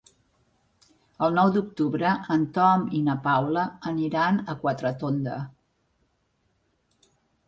El nou d'octubre en Tom i na Paula aniran a Quatretonda.